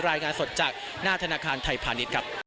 รายงานสดจากหน้าธนาคารไทยพาณิชย์ครับ